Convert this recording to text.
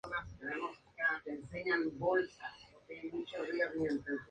Contra Ecuador participa todo el partido, esta vez acompañando a Amorebieta.